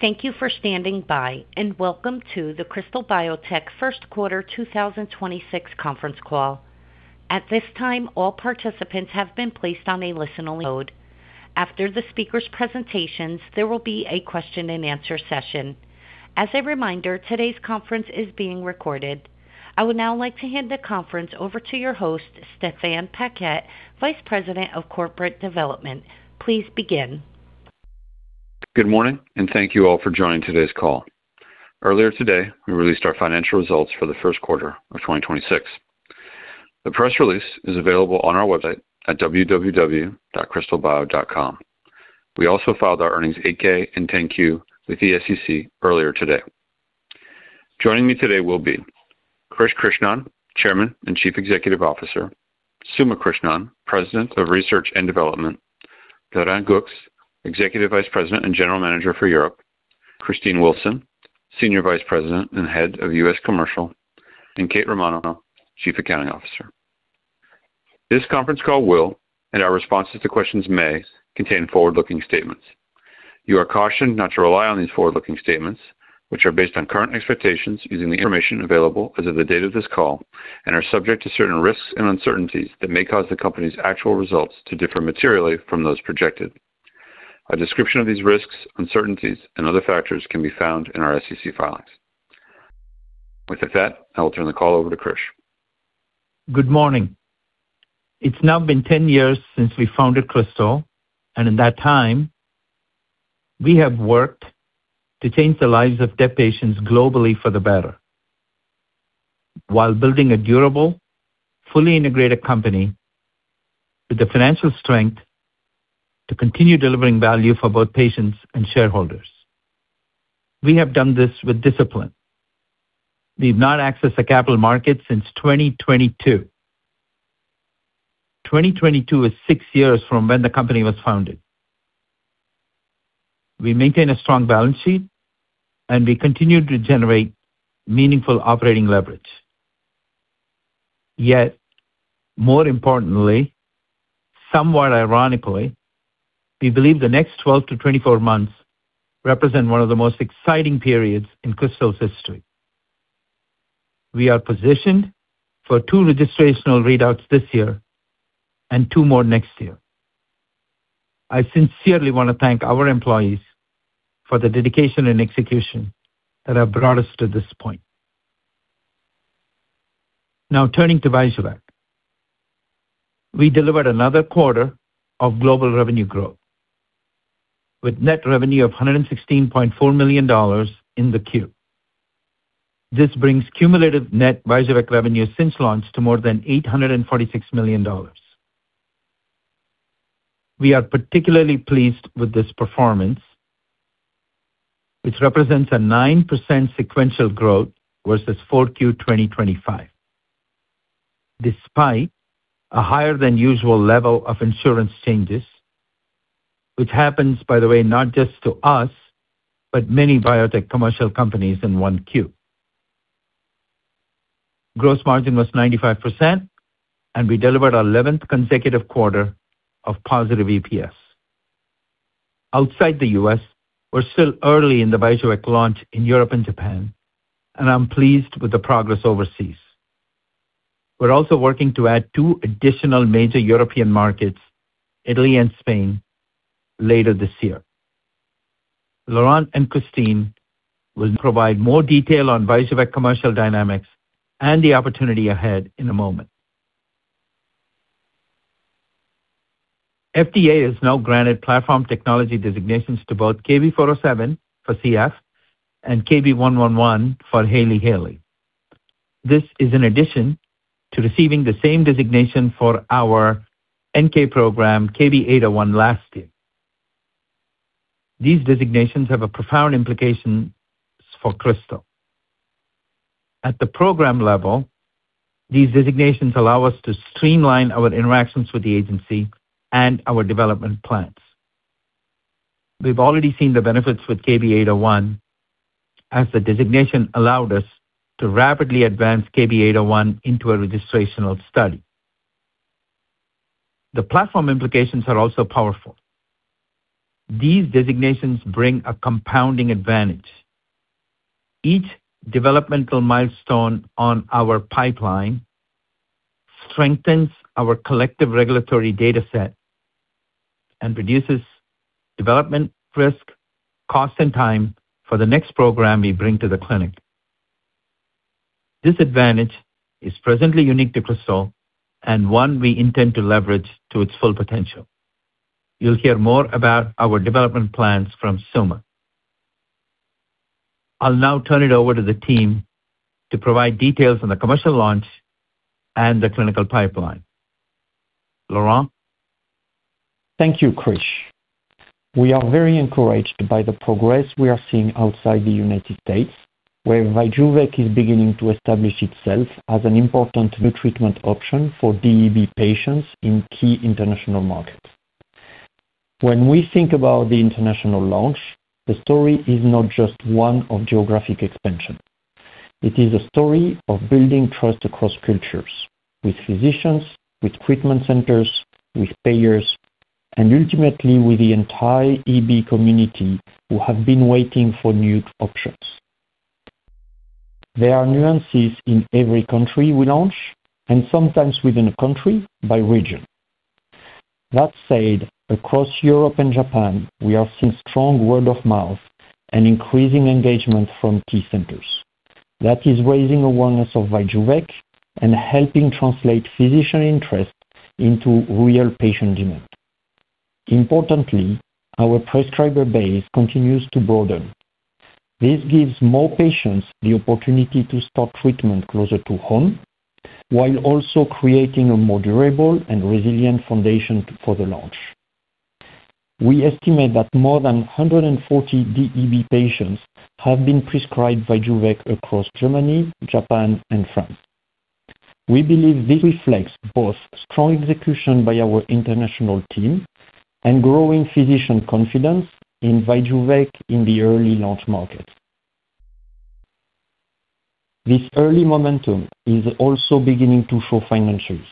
Thank you for standing by, and welcome to the Krystal Biotech first quarter 2026 conference call. At this time, all participants have been placed on a listen-only mode. After the speakers' presentations, there will be a question-and-answer session. As a reminder, today's conference is being recorded. I would now like to hand the conference over to your host, Stéphane Paquette, Vice President of Corporate Development. Please begin. Good morning, and thank you all for joining today's call. Earlier today, we released our financial results for the first quarter of 2026. The press release is available on our website at www.krystalbio.com. We also filed our earnings 8-K and 10-Q with the SEC earlier today. Joining me today will be Krish Krishnan, Chairman and Chief Executive Officer, Suma Krishnan, President, Research & Development, Laurent Goux, Executive Vice President and General Manager for Europe, Christine Wilson, Senior Vice President and Head of US Commercial, and Kate Romano, Chief Accounting Officer. This conference call will, and our responses to questions may, contain forward-looking statements. You are cautioned not to rely on these forward-looking statements, which are based on current expectations using the information available as of the date of this call and are subject to certain risks and uncertainties that may cause the company's actual results to differ materially from those projected. A description of these risks, uncertainties, and other factors can be found in our SEC filings. With that, I will turn the call over to Krish. Good morning. It's now been 10 years since we founded Krystal, in that time, we have worked to change the lives of DEB patients globally for the better while building a durable, fully integrated company with the financial strength to continue delivering value for both patients and shareholders. We have done this with discipline. We've not accessed the capital market since 2022. Twenty twenty-two is six years from when the company was founded. We maintain a strong balance sheet. We continue to generate meaningful operating leverage. More importantly, somewhat ironically, we believe the next 12 to 24 months represent one of the most exciting periods in Krystal's history. We are positioned for two registrational readouts this year and two more next year. I sincerely want to thank our employees for the dedication and execution that have brought us to this point. Now, turning to VYJUVEK. We delivered another quarter of global revenue growth, with net revenue of $116.4 million in the quarter. This brings cumulative net VYJUVEK revenue since launch to more than $846 million. We are particularly pleased with this performance, which represents a 9% sequential growth versus 4Q 2025, despite a higher than usual level of insurance changes, which happens, by the way, not just to us, but many biotech commercial companies in 1Q. Gross margin was 95%, and we delivered our 11th consecutive quarter of positive EPS. Outside the U.S., we're still early in the VYJUVEK launch in Europe and Japan, and I'm pleased with the progress overseas. We're also working to add two additional major European markets, Italy and Spain, later this year. Laurent and Christine will provide more detail on VYJUVEK commercial dynamics and the opportunity ahead in a moment. FDA has now granted platform technology designations to both KB407 for CF and KB111 for Hailey-Hailey. This is in addition to receiving the same designation for our NK program, KB801, last year. These designations have a profound implication for Krystal. At the program level, these designations allow us to streamline our interactions with the agency and our development plans. We've already seen the benefits with KB801, as the designation allowed us to rapidly advance KB801 into a registrational study. The platform implications are also powerful. These designations bring a compounding advantage. Each developmental milestone on our pipeline strengthens our collective regulatory data set and reduces development risk, cost, and time for the next program we bring to the clinic. This advantage is presently unique to Krystal and one we intend to leverage to its full potential. You'll hear more about our development plans from Suma. I'll now turn it over to the team to provide details on the commercial launch and the clinical pipeline. Laurent? Thank you, Krish. We are very encouraged by the progress we are seeing outside the United States, where VYJUVEK is beginning to establish itself as an important new treatment option for DEB patients in key international markets. When we think about the international launch, the story is not just one of geographic expansion. It is a story of building trust across cultures with physicians, with treatment centers, with payers, and ultimately with the entire EB community who have been waiting for new options. There are nuances in every country we launch, and sometimes within a country by region. That said, across Europe and Japan, we have seen strong word of mouth and increasing engagement from key centers. That is raising awareness of VYJUVEK and helping translate physician interest into real patient demand. Importantly, our prescriber base continues to broaden. This gives more patients the opportunity to start treatment closer to home, while also creating a more durable and resilient foundation for the launch. We estimate that more than 140 DEB patients have been prescribed VYJUVEK across Germany, Japan and France. We believe this reflects both strong execution by our international team and growing physician confidence in VYJUVEK in the early launch market. This early momentum is also beginning to show financials.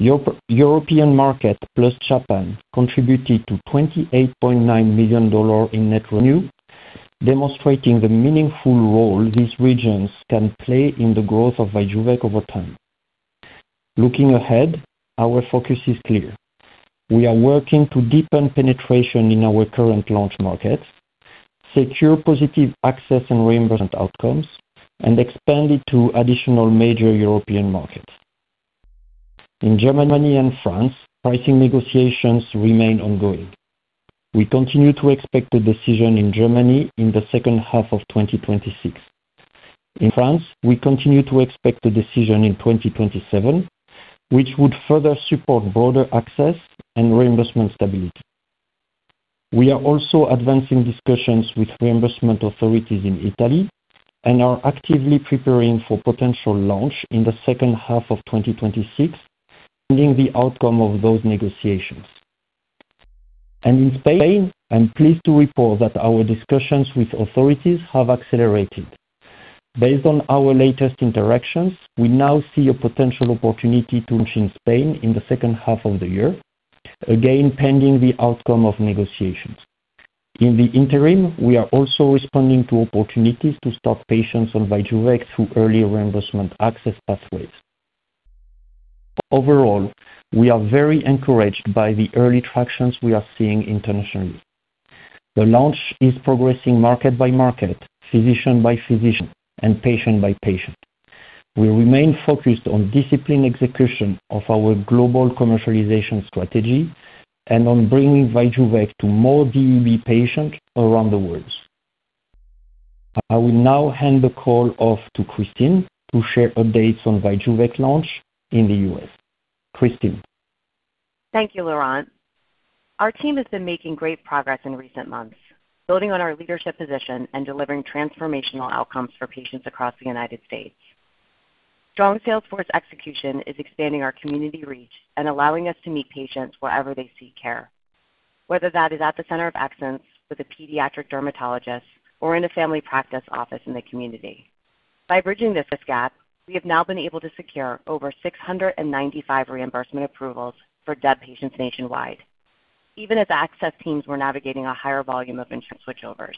European market plus Japan contributed to $28.9 million in net revenue, demonstrating the meaningful role these regions can play in the growth of VYJUVEK over time. Looking ahead, our focus is clear. We are working to deepen penetration in our current launch markets, secure positive access and reimbursement outcomes, and expand it to additional major European markets. In Germany and France, pricing negotiations remain ongoing. We continue to expect a decision in Germany in the second half of 2026. In France, we continue to expect a decision in 2027, which would further support broader access and reimbursement stability. We are also advancing discussions with reimbursement authorities in Italy and are actively preparing for potential launch in the second half of 2026, pending the outcome of those negotiations. In Spain, I'm pleased to report that our discussions with authorities have accelerated. Based on our latest interactions, we now see a potential opportunity to launch in Spain in the second half of the year, again pending the outcome of negotiations. In the interim, we are also responding to opportunities to start patients on VYJUVEK through early reimbursement access pathways. Overall, we are very encouraged by the early traction we are seeing internationally. The launch is progressing market by market, physician by physician, and patient by patient. We remain focused on disciplined execution of our global commercialization strategy and on bringing VYJUVEK to more DEB patients around the world. I will now hand the call off to Christine to share updates on VYJUVEK launch in the U.S. Christine. Thank you, Laurent. Our team has been making great progress in recent months, building on our leadership position and delivering transformational outcomes for patients across the United States. Strong sales force execution is expanding our community reach and allowing us to meet patients wherever they seek care, whether that is at the center of excellence with a pediatric dermatologist or in a family practice office in the community. By bridging this gap, we have now been able to secure over 695 reimbursement approvals for DEB patients nationwide, even as access teams were navigating a higher volume of insurance switchovers.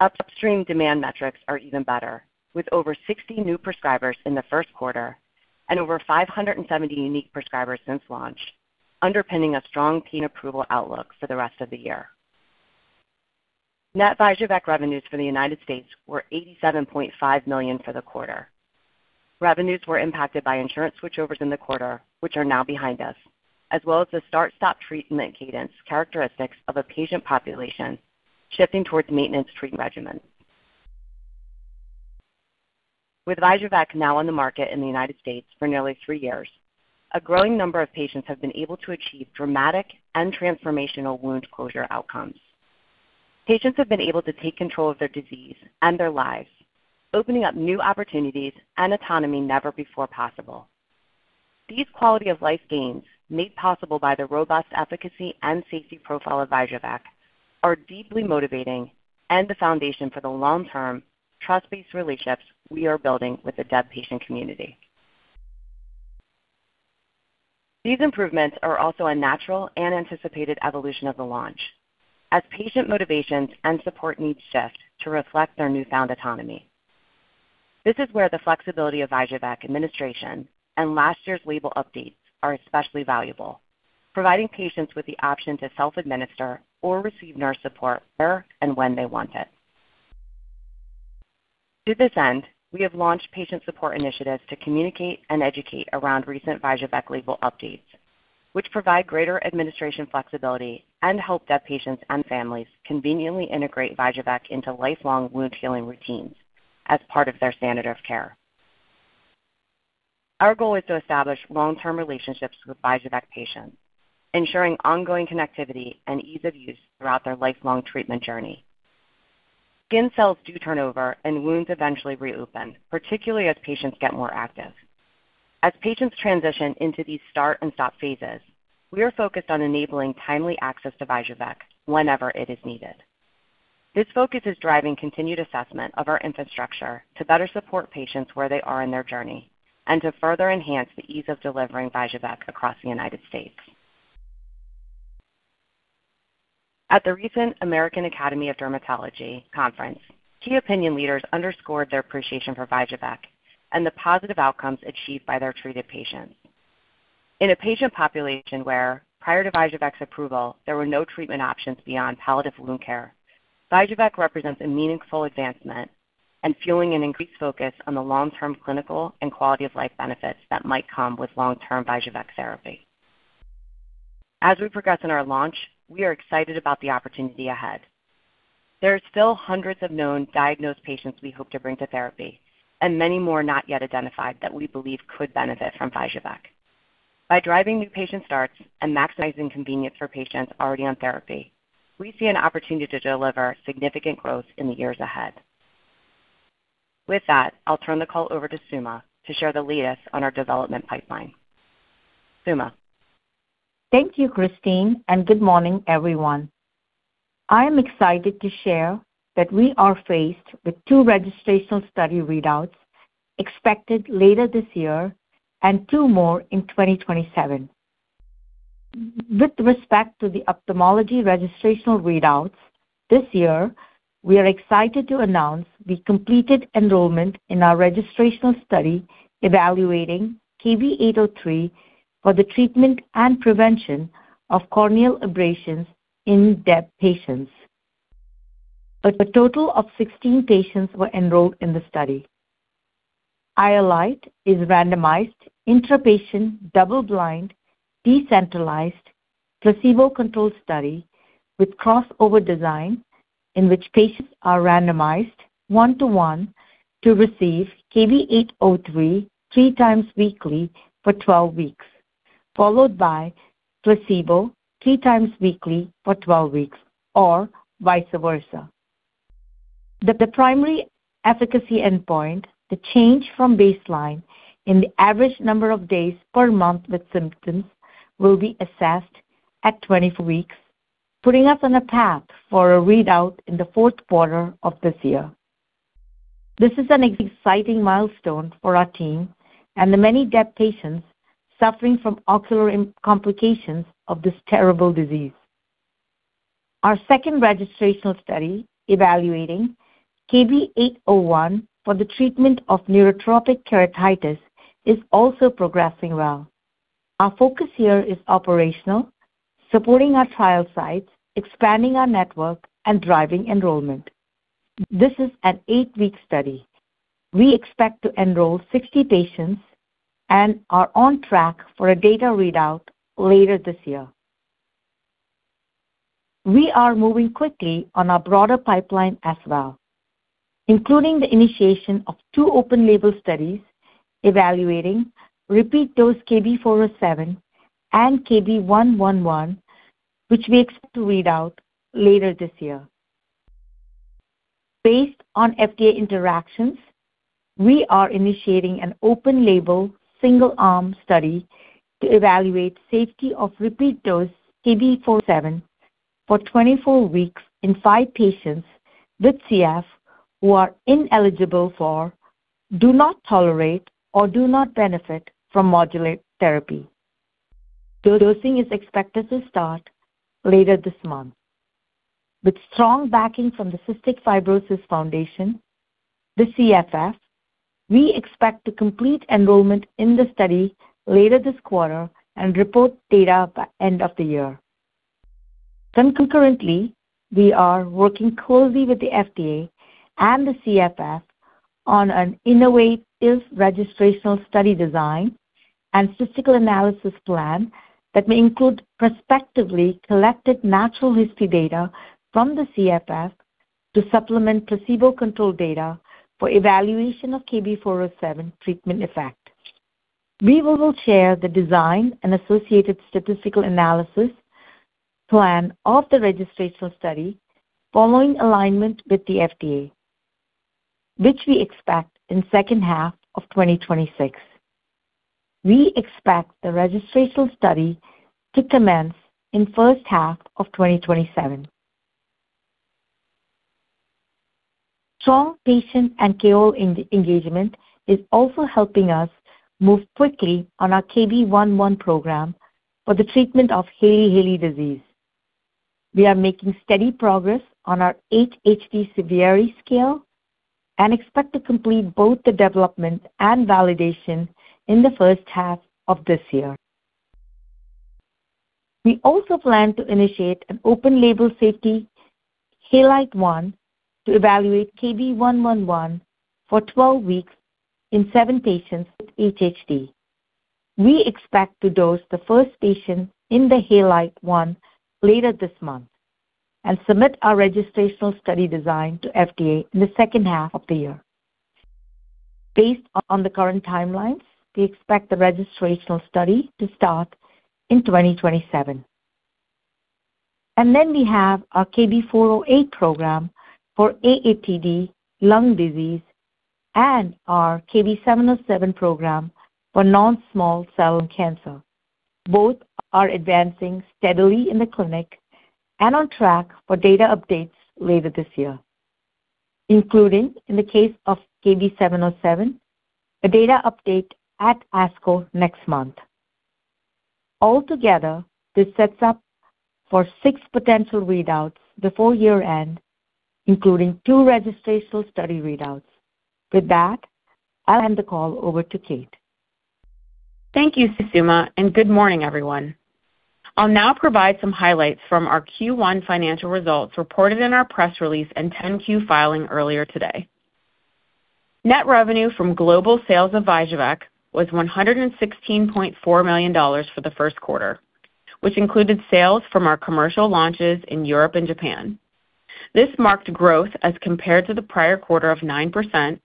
Upstream demand metrics are even better, with over 60 new prescribers in the first quarter and over 570 unique prescribers since launch, underpinning a strong team approval outlook for the rest of the year. Net VYJUVEK revenues for the United States were $87.5 million for the quarter. Revenues were impacted by insurance switchovers in the quarter, which are now behind us, as well as the start-stop treatment cadence characteristics of a patient population shifting towards maintenance treatment regimen. With VYJUVEK now on the market in the United States for nearly three years, a growing number of patients have been able to achieve dramatic and transformational wound closure outcomes. Patients have been able to take control of their disease and their lives, opening up new opportunities and autonomy never before possible. These quality-of-life gains, made possible by the robust efficacy and safety profile of VYJUVEK, are deeply motivating and the foundation for the long-term trust-based relationships we are building with the DEB patient community. These improvements are also a natural and anticipated evolution of the launch as patient motivations and support needs shift to reflect their newfound autonomy. This is where the flexibility of VYJUVEK administration and last year's label updates are especially valuable, providing patients with the option to self-administer or receive nurse support where and when they want it. To this end, we have launched patient support initiatives to communicate and educate around recent VYJUVEK label updates, which provide greater administration flexibility and help DEB patients and families conveniently integrate VYJUVEK into lifelong wound healing routines as part of their standard of care. Our goal is to establish long-term relationships with VYJUVEK patients, ensuring ongoing connectivity and ease of use throughout their lifelong treatment journey. Skin cells do turn over and wounds eventually reopen, particularly as patients get more active. As patients transition into these start and stop phases, we are focused on enabling timely access to VYJUVEK whenever it is needed. This focus is driving continued assessment of our infrastructure to better support patients where they are in their journey and to further enhance the ease of delivering VYJUVEK across the United States. At the recent American Academy of Dermatology conference, key opinion leaders underscored their appreciation for VYJUVEK and the positive outcomes achieved by their treated patients. In a patient population where, prior to VYJUVEK's approval, there were no treatment options beyond palliative wound care, VYJUVEK represents a meaningful advancement and fueling an increased focus on the long-term clinical and quality-of-life benefits that might come with long-term VYJUVEK therapy. As we progress in our launch, we are excited about the opportunity ahead. There are still hundreds of known diagnosed patients we hope to bring to therapy, and many more not yet identified that we believe could benefit from VYJUVEK. By driving new patient starts and maximizing convenience for patients already on therapy, we see an opportunity to deliver significant growth in the years ahead. With that, I'll turn the call over to Suma to share the latest on our development pipeline. Suma. Thank you, Christine. Good morning, everyone. I am excited to share that we are faced with two registrational study readouts expected later this year and two more in 2027. With respect to the ophthalmology registrational readouts this year, we are excited to announce we completed enrollment in our registrational study evaluating KB803 for the treatment and prevention of corneal abrasions in DEB patients. A total of 16 patients were enrolled in the study. IOLITE is a randomized intra-patient, double-blind, decentralized, placebo-controlled study with crossover design in which patients are randomized 1-to-1 to receive KB803 three times weekly for 12 weeks, followed by placebo three times weekly for 12 weeks, or vice versa. The primary efficacy endpoint, the change from baseline in the average number of days per month with symptoms, will be assessed at 24 weeks, putting us on a path for a readout in the fourth quarter of this year. This is an exciting milestone for our team and the many DEB patients suffering from ocular complications of this terrible disease. Our second registrational study evaluating KB801 for the treatment of neurotrophic keratitis is also progressing well. Our focus here is operational, supporting our trial sites, expanding our network, and driving enrollment. This is an eight-week study. We expect to enroll 60 patients and are on track for a data readout later this year. We are moving quickly on our broader pipeline as well, including the initiation of two open-label studies evaluating repeat-dose KB407 and KB111, which we expect to read out later this year. Based on FDA interactions, we are initiating an open-label single-arm study to evaluate safety of repeat-dose KB407 for 24 weeks in five patients with CF who are ineligible for, do not tolerate, or do not benefit from modulate therapy. Dosing is expected to start later this month. With strong backing from the Cystic Fibrosis Foundation, the CFF, we expect to complete enrollment in the study later this quarter and report data by end of the year. Concurrently, we are working closely with the FDA and the CFF on an innovative registrational study design and statistical analysis plan that may include prospectively collected natural history data from the CFF to supplement placebo-controlled data for evaluation of KB407 treatment effect. We will share the design and associated statistical analysis plan of the registrational study following alignment with the FDA, which we expect in second half of 2026. We expect the registrational study to commence in first half of 2027. Strong patient and KOL engagement is also helping us move quickly on our KB111 program for the treatment of Hailey-Hailey disease. We are making steady progress on our HHD severity scale and expect to complete both the development and validation in the first half of this year. We also plan to initiate an open-label safety HALITE-1 to evaluate KB111 for 12 weeks in seven patients with HHD. We expect to dose the first patient in the HALITE-1 later this month and submit our registrational study design to FDA in the second half of the year. Based on the current timelines, we expect the registrational study to start in 2027. We have our KB408 program for AATD lung disease and our KB707 program for non-small cell cancer. Both are advancing steadily in the clinic and on track for data updates later this year, including, in the case of KB707, a data update at ASCO next month. Altogether, this sets up for six potential readouts before year-end, including two registrational study readouts. With that, I'll hand the call over to Kate. Thank you, Suma, and good morning, everyone. I'll now provide some highlights from our Q1 financial results reported in our press release and 10-Q filing earlier today. Net revenue from global sales of VYJUVEK was $116.4 million for the first quarter, which included sales from our commercial launches in Europe and Japan. This marked growth as compared to the prior quarter of 9%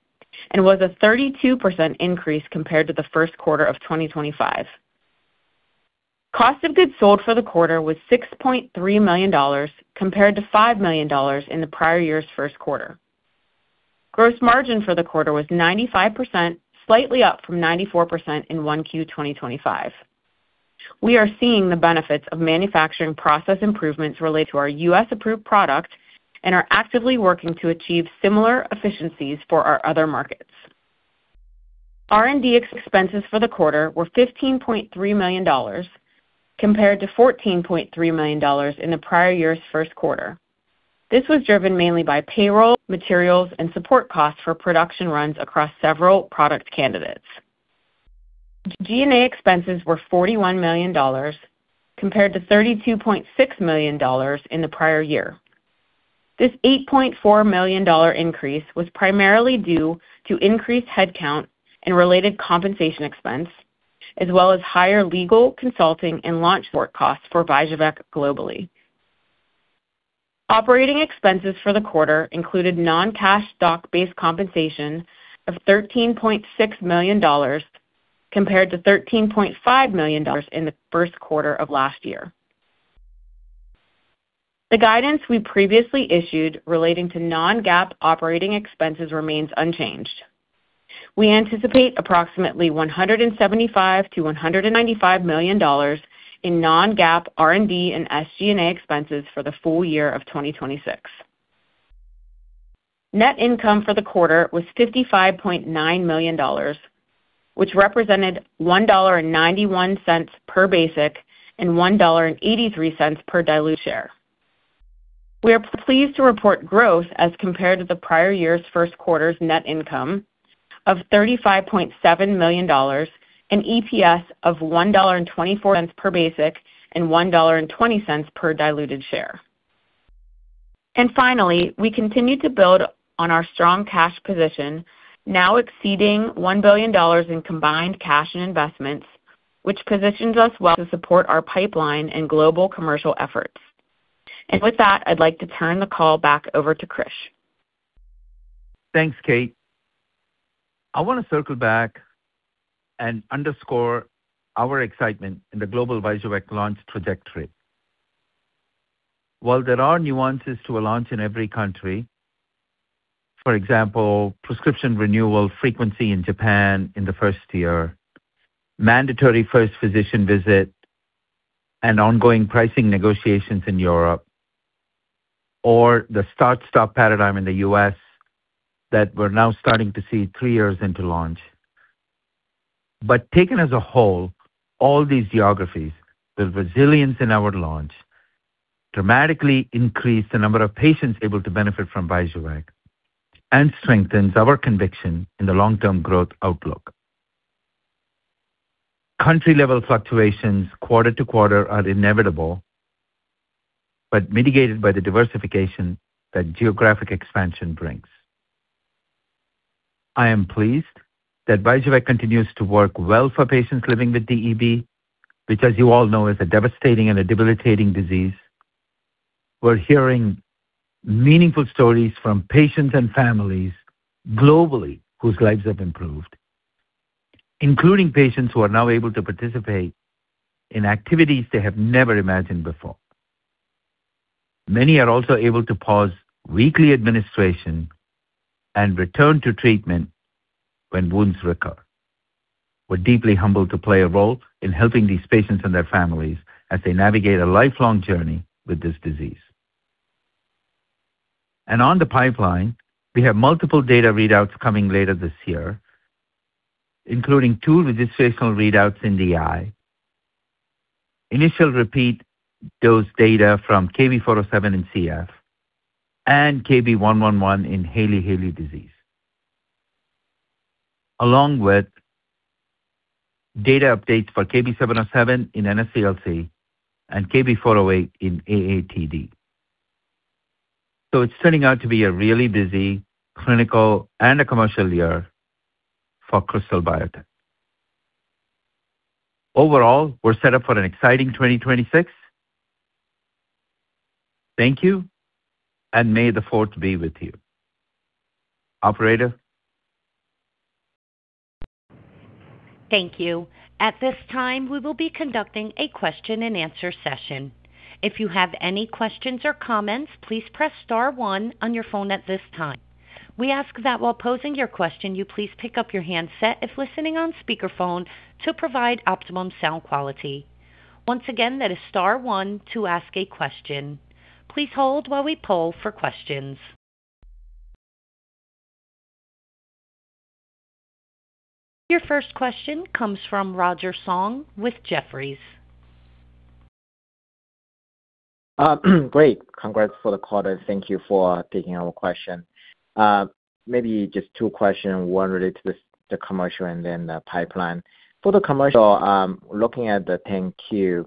and was a 32% increase compared to the first quarter of 2025. Cost of goods sold for the quarter was $6.3 million compared to $5 million in the prior year's first quarter. Gross margin for the quarter was 95%, slightly up from 94% in 1Q 2025. We are seeing the benefits of manufacturing process improvements related to our U.S.-approved product and are actively working to achieve similar efficiencies for our other markets. R&D expenses for the quarter were $15.3 million compared to $14.3 million in the prior year's first quarter. This was driven mainly by payroll, materials, and support costs for production runs across several product candidates. G&A expenses were $41 million compared to $32.6 million in the prior year. This $8.4 million increase was primarily due to increased headcount and related compensation expense as well as higher legal consulting and launch support costs for VYJUVEK globally. Operating expenses for the quarter included non-cash stock-based compensation of $13.6 million compared to $13.5 million in the first quarter of last year. The guidance we previously issued relating to non-GAAP operating expenses remains unchanged. We anticipate approximately $175 million-$195 million in non-GAAP R&D and SG&A expenses for the full year of 2026. Net income for the quarter was $55.9 million, which represented $1.91 per basic and $1.83 per diluted share. We are pleased to report growth as compared to the prior year's first quarter's net income of $35.7 million and EPS of $1.24 per basic and $1.20 per diluted share. Finally, we continue to build on our strong cash position, now exceeding $1 billion in combined cash and investments, which positions us well to support our pipeline and global commercial efforts. With that, I'd like to turn the call back over to Krish. Thanks, Kate. I want to circle back and underscore our excitement in the global VYJUVEK launch trajectory. While there are nuances to a launch in every country, for example, prescription renewal frequency in Japan in the first year, mandatory first physician visit, and ongoing pricing negotiations in Europe, or the start-stop paradigm in the U.S. that we're now starting to see three years into launch. Taken as a whole, all these geographies, the resilience in our launch dramatically increase the number of patients able to benefit from VYJUVEK and strengthens our conviction in the long-term growth outlook. Country-level fluctuations quarter to quarter are inevitable, but mitigated by the diversification that geographic expansion brings. I am pleased that VYJUVEK continues to work well for patients living with DEB, which, as you all know, is a devastating and a debilitating disease. We're hearing meaningful stories from patients and families globally whose lives have improved, including patients who are now able to participate in activities they have never imagined before. Many are also able to pause weekly administration and return to treatment when wounds recur. We're deeply humbled to play a role in helping these patients and their families as they navigate a lifelong journey with this disease. On the pipeline, we have multiple data readouts coming later this year, including two registrational readouts in DEB, initial repeat dose data from KB407 in CF, and KB111 in Hailey-Hailey disease. Along with data updates for KB707 in NSCLC and KB408 in AATD. It's turning out to be a really busy clinical and a commercial year for Krystal Biotech. Overall, we're set up for an exciting 2026. Thank you, and may the Fourth be with you. Operator? Thank you. At this time we will be conducting a question-and-answer session. If you have any questions or comments please press star one on your phone at this time. We ask that while posing your question you please pick up your handset if listening on speakerphone to provide optimum sound quality. Once again, that is star one to ask a question. Please hold while we poll for questions. Your first question comes from Roger Song with Jefferies. Great. Congrats for the quarter. Thank you for taking our question. Maybe just two questions, one related to the commercial and then the pipeline. For the commercial, looking at the 10-Q,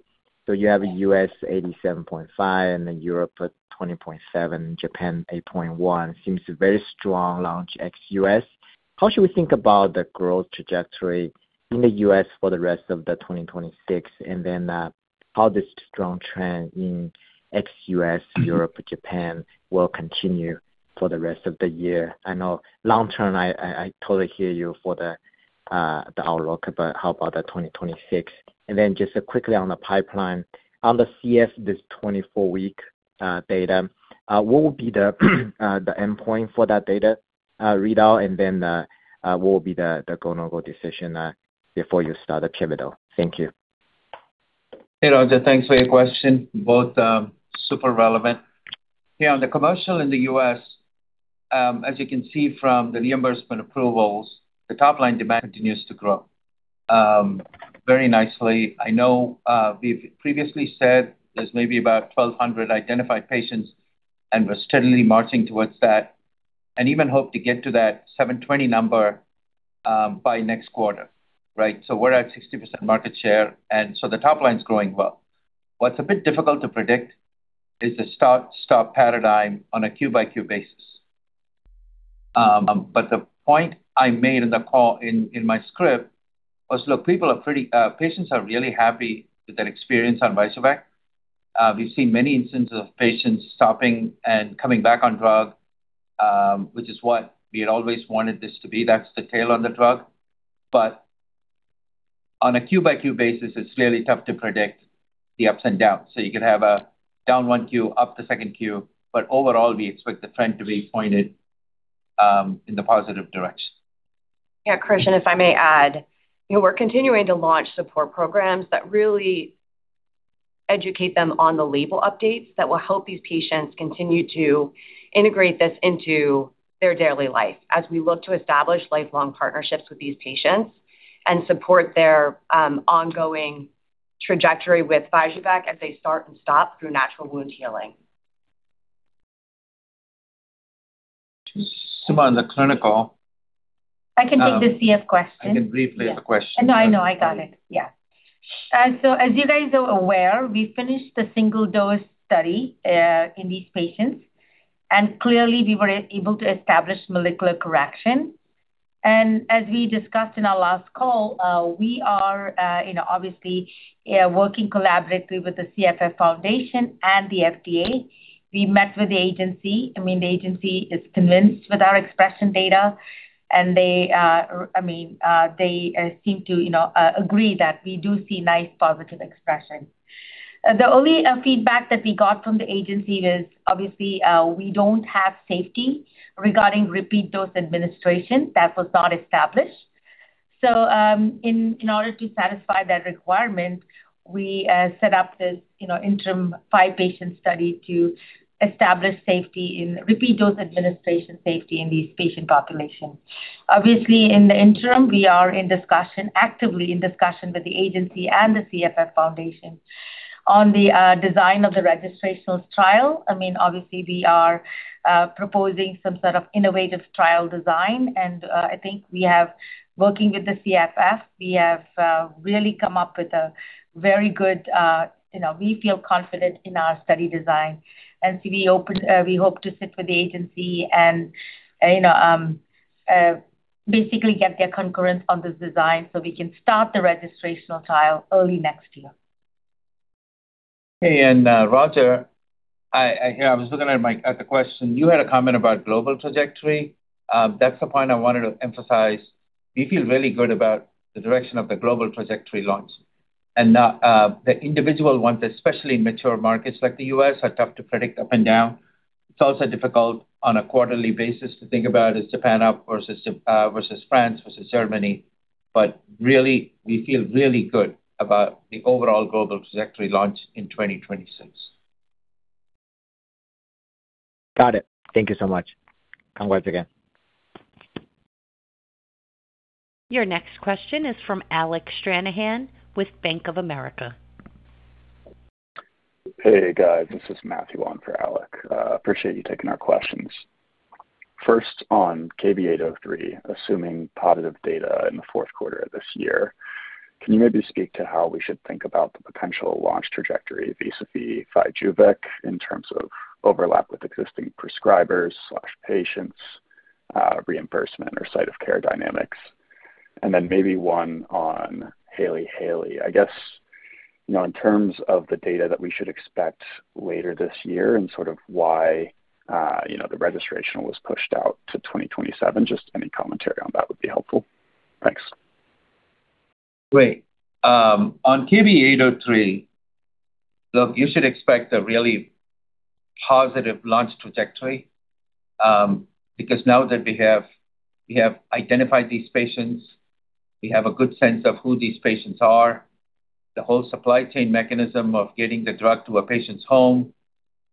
so you have U.S. 87.5 and then Europe at 20.7, Japan 8.1. Seems a very strong launch ex-U.S. How should we think about the growth trajectory in the U.S. for the rest of 2026? How this strong trend in ex-U.S., Europe, Japan will continue for the rest of the year? I know long term, I totally hear you for the outlook, but how about 2026? Just quickly on the pipeline. On the CF, this 24-week data, what will be the endpoint for that data readout? What will be the go/no-go decision before you start the pivotal? Thank you. Hey, Roger. Thanks for your question, both, super relevant. On the commercial in the U.S., as you can see from the reimbursement approvals, the top-line demand continues to grow very nicely. I know, we've previously said there's maybe about 1,200 identified patients, and we're steadily marching towards that and even hope to get to that 720 number by next quarter, right? We're at 60% market share, and so the top line's growing well. What's a bit difficult to predict is the start-stop paradigm on a quarter-by-quarter basis. The point I made in the call in my script was, look, patients are really happy with their experience on VYJUVEK. We've seen many instances of patients stopping and coming back on drug, which is what we had always wanted this to be. That's the tail on the drug. On a quarter-by-quarter basis, it's fairly tough to predict the ups and downs. You could have a down one quarter, up the second quarter. Overall, we expect the trend to be pointed in the positive direction. Yeah, Krishnan, if I may add, you know, we're continuing to launch support programs that really educate them on the label updates that will help these patients continue to integrate this into their daily life as we look to establish lifelong partnerships with these patients and support their ongoing trajectory with VYJUVEK as they start and stop through natural wound healing. Suma, on the clinical. I can take the CF question. I can briefly the question. No, I know. I got it. As you guys are aware, we finished the single-dose study in these patients, and clearly we were able to establish molecular correction. As we discussed in our last call, we are, you know, obviously, working collaboratively with the CFF and the FDA. We met with the agency. I mean, the agency is convinced with our expression data, and they, I mean, they seem to, you know, agree that we do see nice positive expression. The only feedback that we got from the agency is obviously, we don't have safety regarding repeat dose administration. That was not established. In order to satisfy that requirement, we set up this, you know, interim five-patient study to establish safety in repeat dose administration safety in these patient populations. Obviously, in the interim, we are in discussion, actively in discussion with the agency and the CFF Foundation on the design of the registrational trial. I mean, obviously we are proposing some sort of innovative trial design and working with the CFF, we have really come up with a very good, you know, we feel confident in our study design. We hope to sit with the agency and, you know, basically get their concurrence on this design so we can start the registrational trial early next year. Hey, Roger, you know, I was looking at the question. You had a comment about global trajectory. That's the point I wanted to emphasize. We feel really good about the direction of the global trajectory launch, the individual ones, especially in mature markets like the U.S., are tough to predict up and down. It's also difficult on a quarterly basis to think about is Japan up versus France versus Germany. We feel really good about the overall global trajectory launch in 2026. Got it. Thank you so much. Congrats again. Your next question is from Alec Stranahan with Bank of America. Hey, guys, this is Matthew on for Alec. Appreciate you taking our questions. First, on KB803, assuming positive data in the fourth quarter of this year, can you maybe speak to how we should think about the potential launch trajectory vis-à-vis VYJUVEK in terms of overlap with existing prescribers/patients, reimbursement or site of care dynamics? Then maybe one on Hailey-Hailey disease. You know, in terms of the data that we should expect later this year and sort of why, you know, the registration was pushed out to 2027, just any commentary on that would be helpful. Thanks. Great. On KB803, look, you should expect a really positive launch trajectory, because now that we have identified these patients, we have a good sense of who these patients are. The whole supply chain mechanism of getting the drug to a patient's home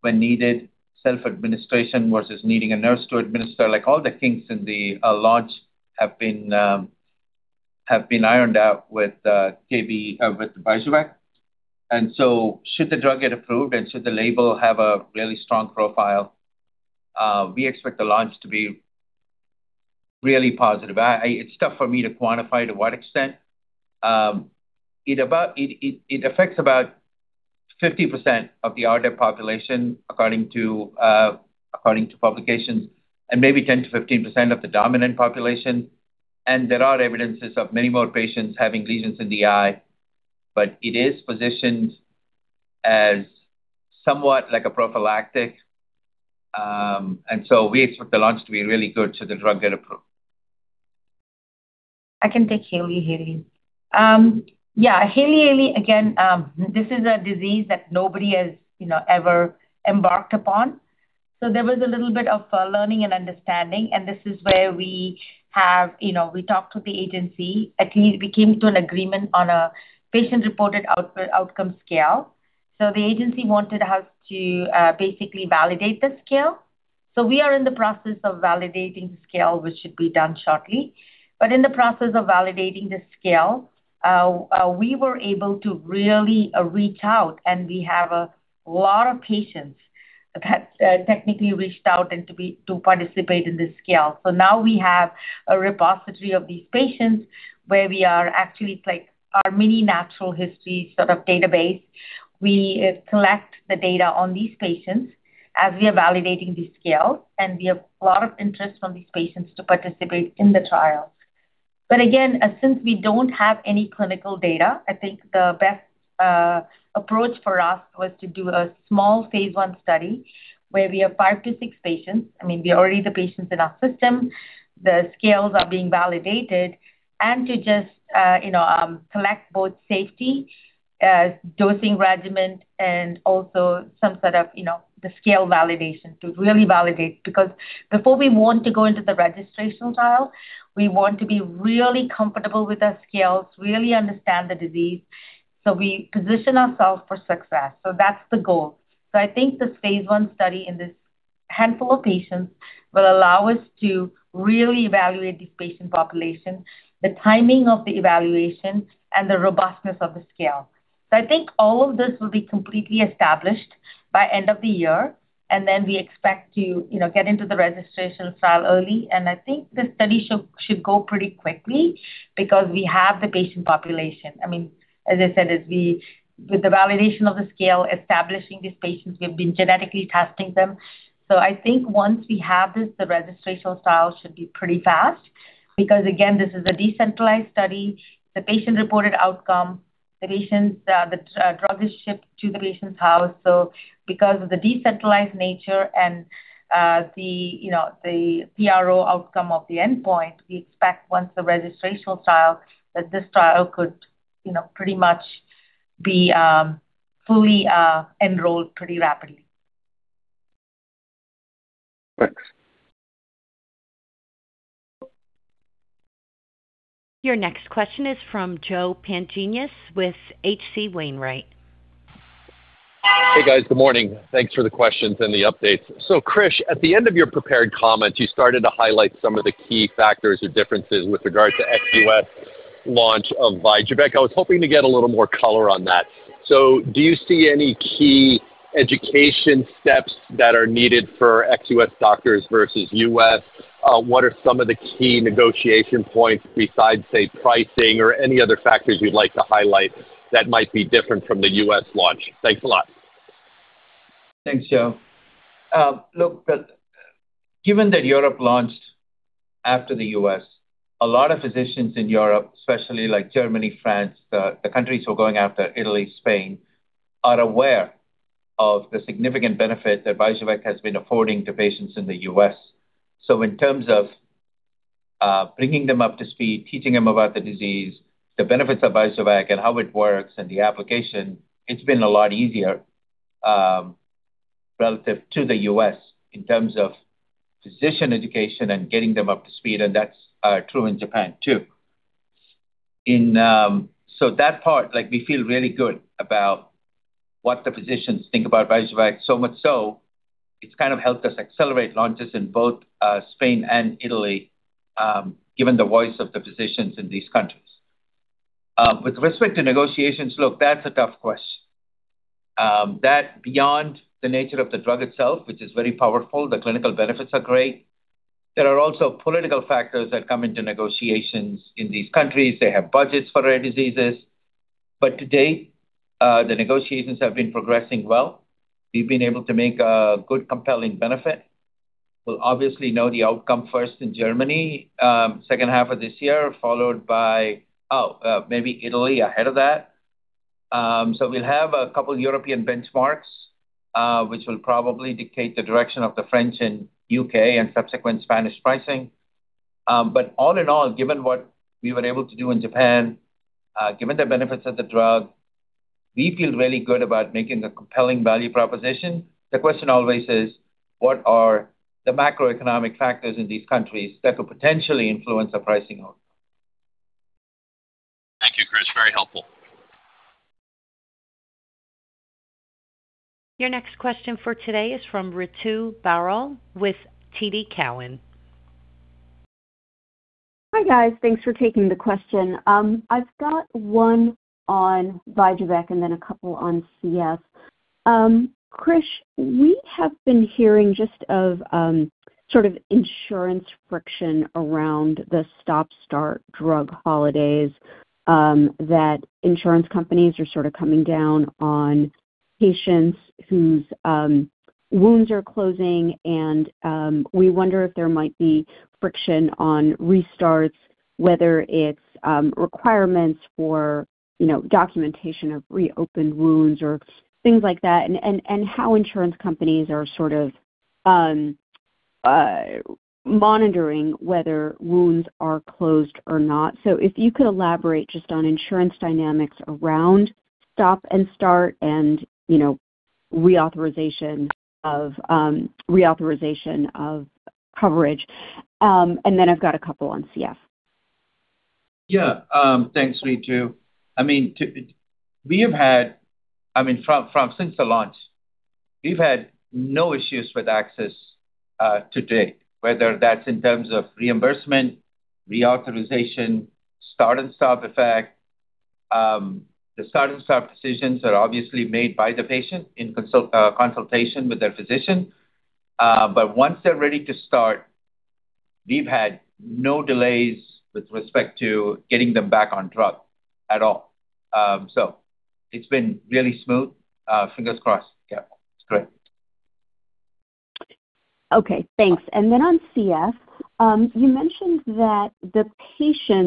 when needed, self-administration versus needing a nurse to administer, like, all the kinks in the launch have been ironed out with VYJUVEK. Should the drug get approved and should the label have a really strong profile, we expect the launch to be really positive. It's tough for me to quantify to what extent. It affects about 50% of the RDEB population according to publications, and maybe 10%-15% of the dominant population. There are evidences of many more patients having lesions in the eye, but it is positioned as somewhat like a prophylactic. We expect the launch to be really good should the drug get approved. I can take Hailey-Hailey. Yeah, Hailey-Hailey, again, this is a disease that nobody has, you know, ever embarked upon. There was a little bit of learning and understanding, this is where we have, you know, we talked with the agency. At least we came to an agreement on a patient-reported outcome scale. The agency wanted us to basically validate the scale. We are in the process of validating the scale, which should be done shortly. In the process of validating the scale, we were able to really reach out, and we have a lot of patients that technically reached out and to participate in this scale. Now we have a repository of these patients where we are actually, it's like our mini natural history sort of database. We collect the data on these patients as we are validating the scale, and we have a lot of interest from these patients to participate in the trial. Again, since we don't have any clinical data, I think the best approach for us was to do a small phase I study where we have five to six patients. I mean, we already have patients in our system. The scales are being validated. To just, you know, collect both safety, dosing regimen, and also some sort of, you know, the scale validation to really validate. Before we want to go into the registration trial, we want to be really comfortable with our scales, really understand the disease so we position ourselves for success. That's the goal. I think this phase I study in this handful of patients will allow us to really evaluate the patient population, the timing of the evaluation, and the robustness of the scale. I think all of this will be completely established by end of the year, and then we expect to, you know, get into the registration trial early. I think the study should go pretty quickly because we have the patient population. I mean, as I said, with the validation of the scale, establishing these patients, we've been genetically testing them. I think once we have this, the registrational trial should be pretty fast because, again, this is a decentralized study. The patient-reported outcome, the patients, the drug is shipped to the patient's house. Because of the decentralized nature and, the, you know, the PRO of the endpoint, we expect once the registrational trial, that this trial could, you know, pretty much be, fully, enrolled pretty rapidly. Thanks. Your next question is from Joe Pantginis with H.C. Wainwright. Hey, guys. Good morning. Thanks for the questions and the updates. Krish, at the end of your prepared comments, you started to highlight some of the key factors or differences with regard to ex-U.S. launch of VYJUVEK. I was hoping to get a little more color on that. Do you see any key education steps that are needed for ex-U.S. doctors versus U.S.? What are some of the key negotiation points besides, say, pricing or any other factors you'd like to highlight that might be different from the U.S. launch? Thanks a lot. Thanks, Joe. Look, given that Europe launched after the U.S., a lot of physicians in Europe, especially like Germany, France, the countries we're going after, Italy, Spain, are aware of the significant benefit that VYJUVEK has been affording to patients in the U.S. In terms of bringing them up to speed, teaching them about the disease, the benefits of VYJUVEK and how it works and the application, it's been a lot easier relative to the U.S. in terms of physician education and getting them up to speed, and that's true in Japan, too. Like, we feel really good about what the physicians think about VYJUVEK, so much so it's kind of helped us accelerate launches in both Spain and Italy given the voice of the physicians in these countries. With respect to negotiations, look, that's a tough question. Beyond the nature of the drug itself, which is very powerful, the clinical benefits are great. There are also political factors that come into negotiations in these countries. They have budgets for rare diseases. To date, the negotiations have been progressing well. We've been able to make a good compelling benefit. We'll obviously know the outcome first in Germany, second half of this year, followed by maybe Italy ahead of that. We'll have a couple European benchmarks, which will probably dictate the direction of the French and U.K. and subsequent Spanish pricing. All in all, given what we were able to do in Japan, given the benefits of the drug, we feel really good about making the compelling value proposition. The question always is, what are the macroeconomic factors in these countries that could potentially influence the pricing of? Thank you, Krish. Very helpful. Your next question for today is from Ritu Baral with TD Cowen. Hi, guys. Thanks for taking the question. I've got one on VYJUVEK and then a couple on CF. Krish, we have been hearing just of sort of insurance friction around the stop-start drug holidays, that insurance companies are sort of coming down on patients whose wounds are closing. We wonder if there might be friction on restarts, whether it's requirements for, you know, documentation of reopened wounds or things like that, and how insurance companies are sort of monitoring whether wounds are closed or not. If you could elaborate just on insurance dynamics around stop and start and, you know, reauthorization of coverage. I've got a couple on CF. Yeah. Thanks, Ritu. I mean, from since the launch, we've had no issues with access to date, whether that's in terms of reimbursement, reauthorization, start and stop effect. The start and stop decisions are obviously made by the patient in consult, consultation with their physician. Once they're ready to start, we've had no delays with respect to getting them back on drug at all. It's been really smooth. Fingers crossed. Yeah, it's great. Okay, thanks. On CF, you mentioned that the patients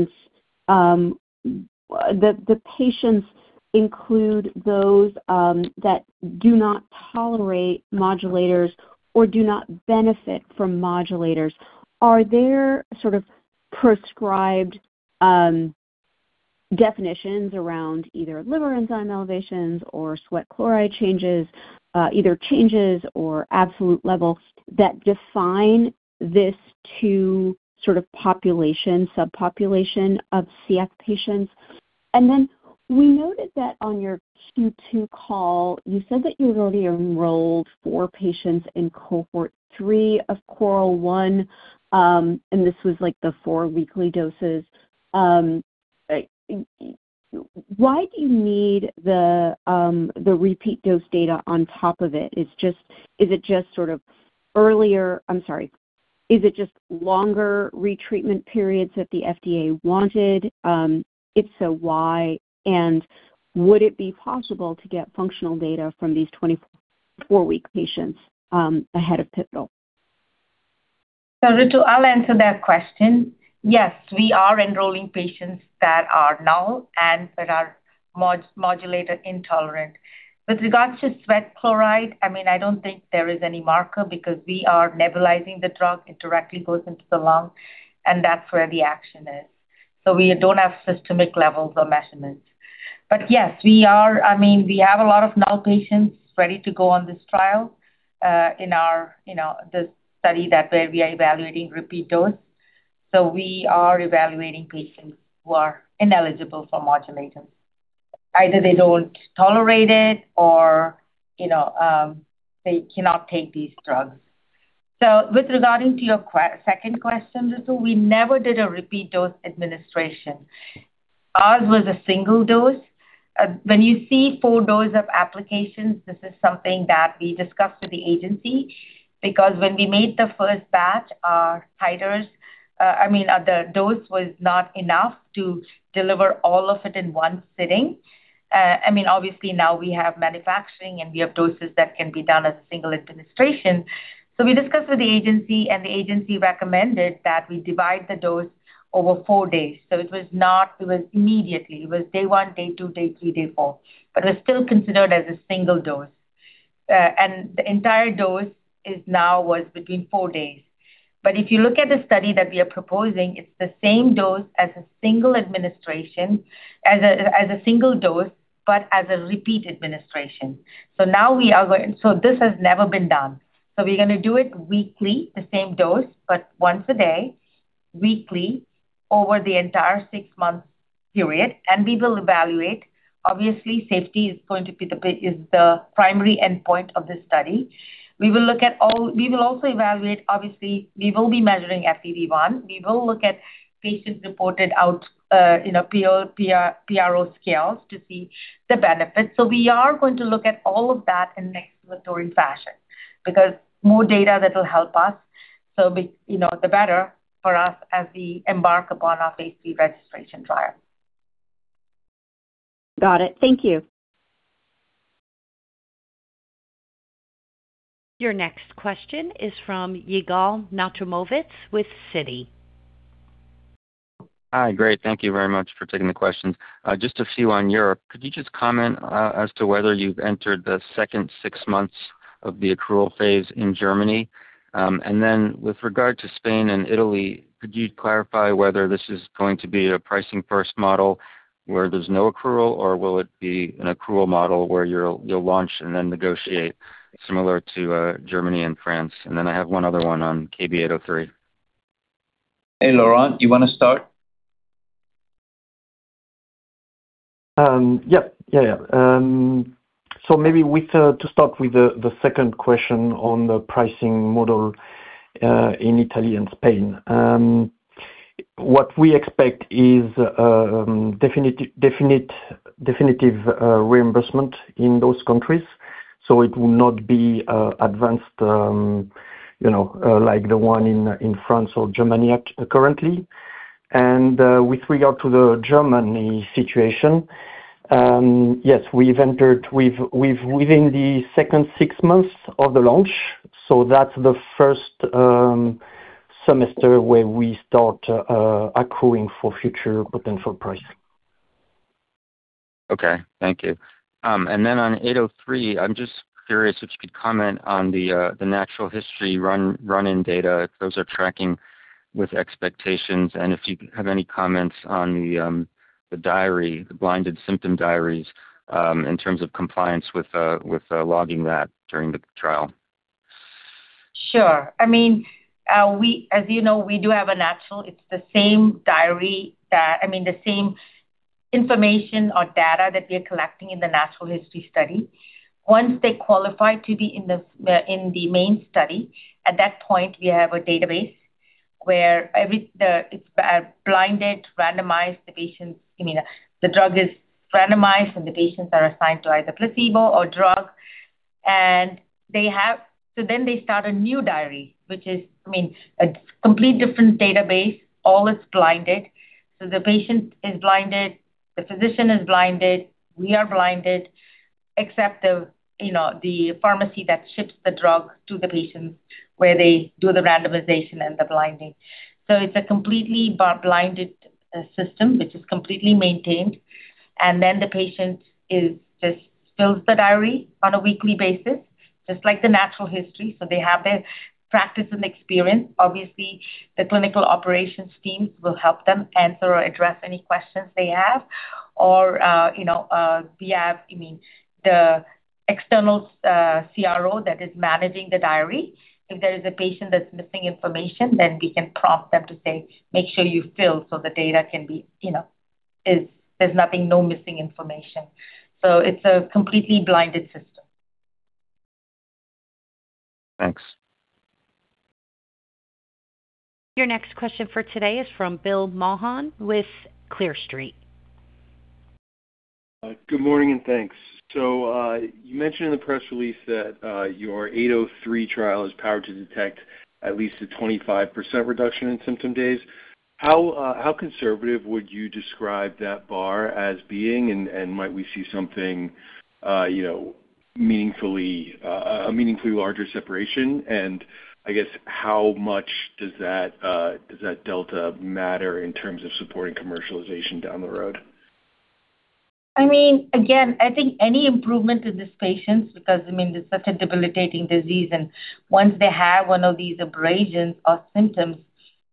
include those that do not tolerate modulators or do not benefit from modulators. Are there sort of prescribed definitions around either liver enzyme elevations or sweat chloride changes, either changes or absolute level that define this to sort of population, subpopulation of CF patients? We noted that on your Q2 call, you said that you had already enrolled four patients in Cohort 3 of CORAL-1, and this was like the four weekly doses. Why do you need the repeat dose data on top of it? Is it just sort of earlier? I'm sorry. Is it just longer retreatment periods that the FDA wanted? If so, why? Would it be possible to get functional data from these 24-week patients, ahead of pivotal? Ritu, I'll answer that question. Yes, we are enrolling patients that are null and that are modulator intolerant. With regards to sweat chloride, I mean, I don't think there is any marker because we are nebulizing the drug. It directly goes into the lung, and that's where the action is. We don't have systemic levels of measurement. Yes, we are I mean, we have a lot of null patients ready to go on this trial in our, you know, the study that we are evaluating repeat dose. We are evaluating patients who are ineligible for modulators. Either they don't tolerate it or, you know, they cannot take these drugs. With regarding to your second question, Ritu, we never did a repeat dose administration. Ours was a single dose. When you see four dose of applications, this is something that we discussed with the agency because when we made the first batch, our titers, I mean, the dose was not enough to deliver all of it in one sitting. I mean, obviously now we have manufacturing, and we have doses that can be done as a single administration. We discussed with the agency, and the agency recommended that we divide the dose over four days. It was not immediately. It was day one, day two, day three, day four. It was still considered as a single dose. The entire dose is now was between four days. If you look at the study that we are proposing, it's the same dose as a single administration, as a single dose, but as a repeat administration. Now, this has never been done. We're gonna do it weekly, the same dose, but once a day, weekly over the entire six-month period. We will evaluate. Obviously, safety is going to be the primary endpoint of this study. We will also evaluate, obviously, we will be measuring FEV1. We will look at patient-reported out, you know, PRO scales to see the benefits. We are going to look at all of that in an exploratory fashion because more data that will help us, you know, the better for us as we embark upon our phase III registration trial. Got it. Thank you. Your next question is from Yigal Nochomovitz with Citi. Hi. Great. Thank you very much for taking the questions. Just a few on Europe. Could you just comment as to whether you've entered the second six months of the accrual phase in Germany? With regard to Spain and Italy, could you clarify whether this is going to be a pricing first model where there's no accrual, or will it be an accrual model where you'll launch and then negotiate similar to Germany and France? I have one other one on KB803. Hey, Laurent, do you wanna start? Yep. Yeah, yeah. So maybe we start with the second question on the pricing model in Italy and Spain. What we expect is definitive reimbursement in those countries, so it will not be advanced, you know, like the one in France or Germany currently. With regard to the Germany situation, yes, we've entered within the second six months of the launch, so that's the first semester where we start accruing for future potential pricing. Okay. Thank you. On KB803, I am just curious if you could comment on the natural history run-in data, if those are tracking with expectations, and if you have any comments on the diary, the blinded symptom diaries, in terms of compliance with logging that during the trial. Sure. I mean, as you know, we do have a natural. I mean, the same information or data that we are collecting in the natural history study. Once they qualify to be in the main study, at that point we have a database where blinded, randomized. The patients, I mean, the drug is randomized, the patients are assigned to either placebo or drug. They start a new diary, which is, I mean, a complete different database. All is blinded. The patient is blinded, the physician is blinded, we are blinded, except the, you know, the pharmacy that ships the drug to the patients where they do the randomization and the blinding. It is a completely blinded system, which is completely maintained. The patient just fills the diary on a weekly basis, just like the natural history, so they have the practice and experience. Obviously, the clinical operations teams will help them answer or address any questions they have or, you know, we have, I mean, the external CRO that is managing the diary. If there is a patient that's missing information, we can prompt them to say, "Make sure you fill so the data can be, you know, there's nothing, no missing information." It's a completely blinded system. Thanks. Your next question for today is from Bill Maughan with Clear Street. Good morning, and thanks. You mentioned in the press release that your KB803 trial is powered to detect at least a 25% reduction in symptom days. How conservative would you describe that bar as being? Might we see something, you know, meaningfully, a meaningfully larger separation? I guess how much does that does that delta matter in terms of supporting commercialization down the road? I mean, again, I think any improvement in these patients, because, I mean, it's such a debilitating disease, and once they have one of these abrasions or symptoms,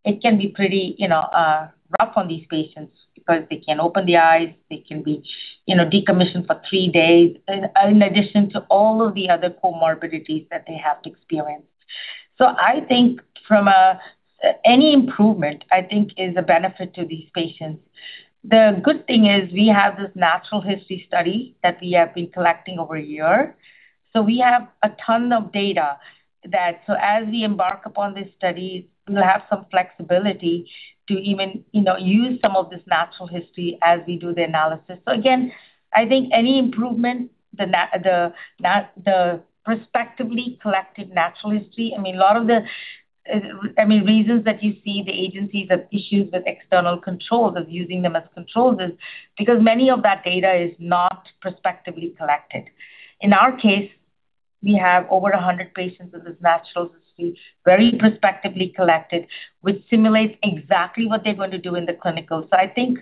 it can be pretty, you know, rough on these patients because they can't open their eyes. They can be, you know, decommissioned for three days in addition to all of the other comorbidities that they have to experience. I think from a, any improvement, I think is a benefit to these patients. The good thing is we have this natural history study that we have been collecting over a year, so we have a ton of data. As we embark upon this study, we'll have some flexibility to even, you know, use some of this natural history as we do the analysis. Again, I think any improvement, the prospectively collected natural history, I mean, a lot of the, I mean, reasons that you see the agencies have issues with external controls, of using them as controls is because many of that data is not prospectively collected. In our case, we have over 100 patients with this natural history, very prospectively collected, which simulates exactly what they're going to do in the clinical. I think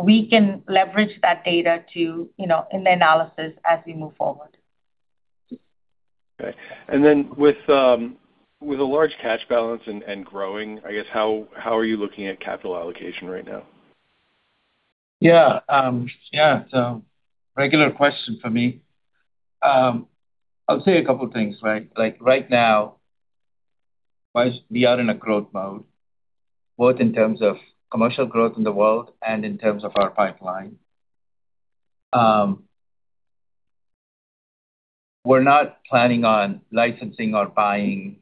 we can leverage that data to, you know, in the analysis as we move forward. Okay. With a large cash balance and growing, I guess, how are you looking at capital allocation right now? Yeah. Yeah. It's a regular question for me. I'll say a couple things, right? Like right now, first, we are in a growth mode, both in terms of commercial growth in the world and in terms of our pipeline. We're not planning on licensing or buying,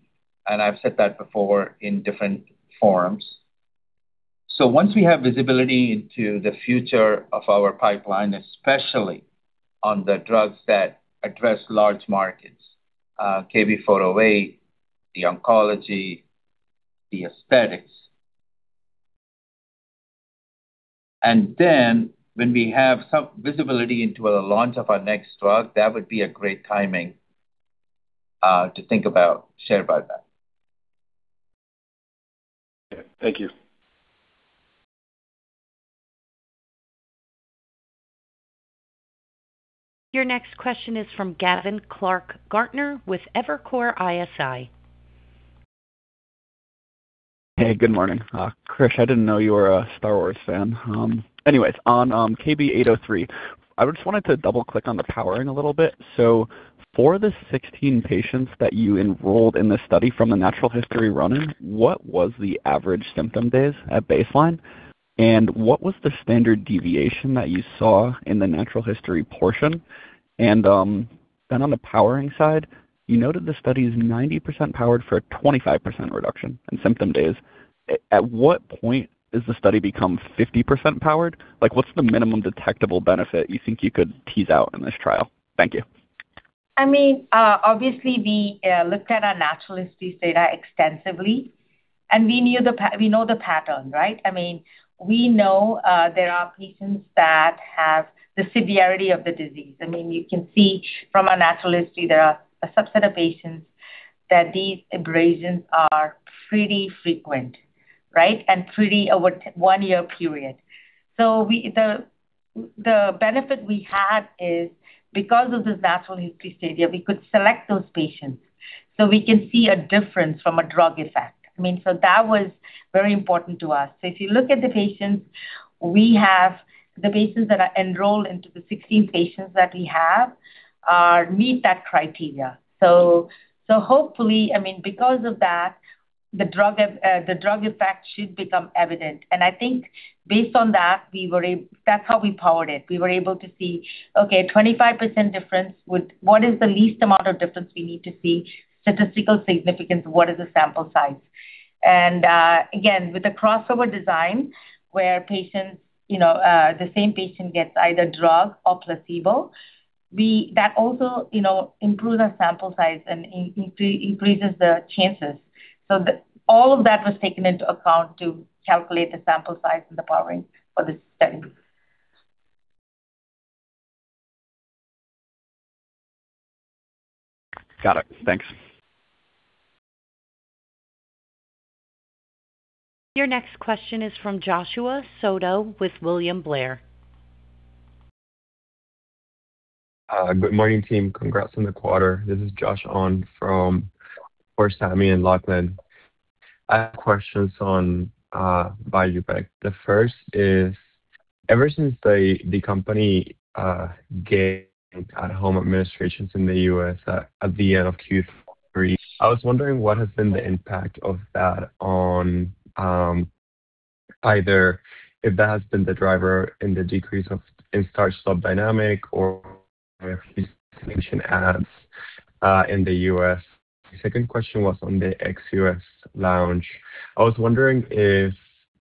and I've said that before in different forms. Once we have visibility into the future of our pipeline, especially on the drugs that address large markets, KB408, the oncology, the aesthetics. When we have some visibility into the launch of our next drug, that would be a great timing to think about, share about that. Okay, thank you. Your next question is from Gavin Clark-Gartner with Evercore ISI. Hey, good morning. Krish, I didn't know you were a Star Wars fan. Anyways, on KB803, I just wanted to double-click on the powering a little bit. For the 16 patients that you enrolled in the study from the natural history running, what was the average symptom days at baseline? What was the standard deviation that you saw in the natural history portion? On the powering side, you noted the study is 90% powered for a 25% reduction in symptom days. At what point does the study become 50% powered? Like, what's the minimum detectable benefit you think you could tease out in this trial? Thank you. I mean, obviously we looked at our natural history data extensively, and we know the pattern, right? I mean, we know there are patients that have the severity of the disease. I mean, you can see from our natural history there are a subset of patients that these abrasions are pretty frequent, right? Pretty over one-year period. The benefit we had is because of this natural history data, we could select those patients so we can see a difference from a drug effect. I mean, that was very important to us. If you look at the patients we have, the patients that are enrolled into the 16 patients that we have meet that criteria. Hopefully, I mean, because of that, the drug effect should become evident. I think based on that's how we powered it. We were able to see, okay, 25% difference with what is the least amount of difference we need to see statistical significance? What is the sample size? Again, with the crossover design where patients, you know, the same patient gets either drug or placebo, That also, you know, improves our sample size and increases the chances. All of that was taken into account to calculate the sample size and the powering for the study. Got it. Thanks. Your next question is from Joshua Soto with William Blair. Good morning, team. Congrats on the quarter. This is Josh on from Sami and Lachlan. I have questions on VYJUVEK. The first is, ever since the company gained at-home administrations in the U.S. at the end of Q3, I was wondering what has been the impact of that on either if that has been the driver in the decrease in start-stop dynamic or addition adds in the U.S. The second question was on the ex-U.S. launch. I was wondering if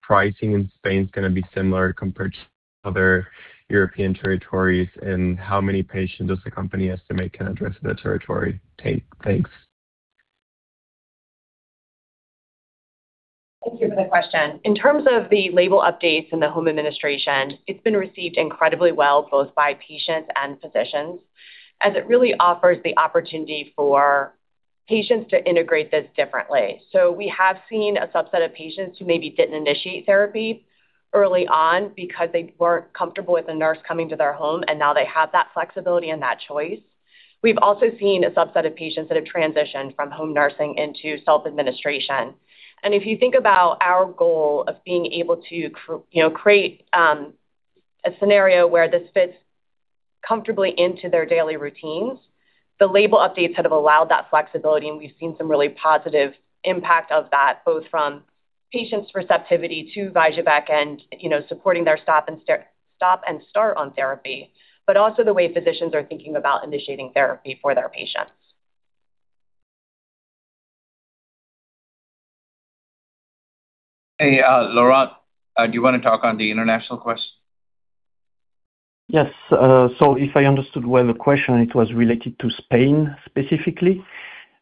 pricing in Spain is gonna be similar compared to other European territories, and how many patients does the company estimate can address that territory? Take. Thanks. Thank you for the question. In terms of the label updates and the home administration, it's been received incredibly well both by patients and physicians, as it really offers the opportunity for patients to integrate this differently. We have seen a subset of patients who maybe didn't initiate therapy early on because they weren't comfortable with a nurse coming to their home, and now they have that flexibility and that choice. We've also seen a subset of patients that have transitioned from home nursing into self-administration. If you think about our goal of being able to you know, create a scenario where this fits comfortably into their daily routines, the label updates sort of allow that flexibility, and we've seen some really positive impact of that, both from patients' receptivity to VYJUVEK and, you know, supporting their stop and start on therapy, but also the way physicians are thinking about initiating therapy for their patients. Hey, Laurent, do you wanna talk on the international question? Yes. So if I understood well the question, it was related to Spain specifically.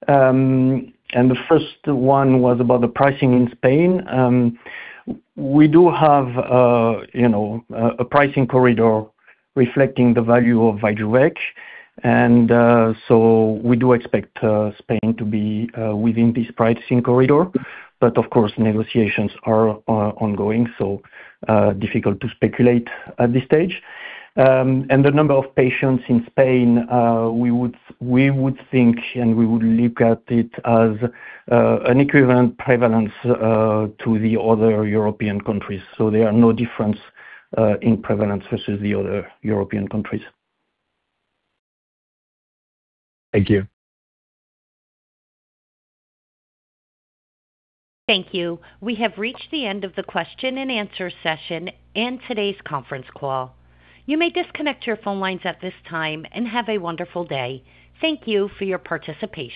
The first one was about the pricing in Spain. We do have, you know, a pricing corridor reflecting the value of VYJUVEK. We do expect Spain to be within this pricing corridor. Of course, negotiations are ongoing, so difficult to speculate at this stage. The number of patients in Spain, we would think and we would look at it as an equivalent prevalence to the other European countries. There are no difference in prevalence versus the other European countries. Thank you. Thank you. We have reached the end of the question-and-answer session and today's conference call. You may disconnect your phone lines at this time, and have a wonderful day. Thank you for your participation.